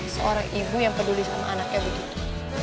seorang ibu yang peduli sama anaknya begitu